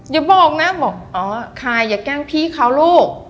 อย่าบอกนะบอกอ๋อใครอย่าแกล้งพี่เขาลูก